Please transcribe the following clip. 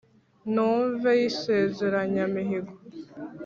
numve y’insezeranyamihigo